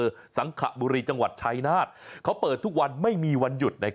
สังขบุรีจังหวัดชายนาฏเขาเปิดทุกวันไม่มีวันหยุด